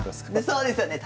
そうですよね。